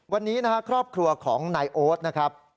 วันนี้นะครับครอบครัวของนายโอ๊ตนะครับ